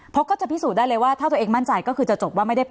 เพราะก็จะพิสูจน์ได้เลยว่าถ้าตัวเองมั่นใจ